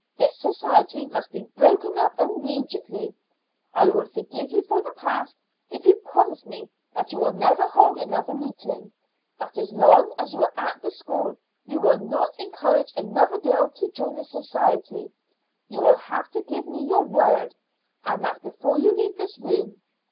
This society must be broken up immediately. I will forgive you for the past if you promise me that you will never hold another meeting, that as long as you are at the school you will not encourage another girl to join this society. You will have to give me your word, and that before you leave this room.